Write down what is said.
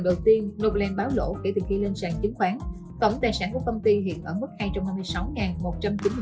đầu tiên novaland báo lỗ kể từ khi lên sàn chính khoán tổng tài sản của công ty hiện ở mức